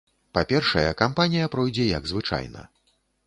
Па-першае, кампанія пройдзе як звычайна.